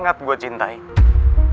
coba putan mengurangi utama bit apostol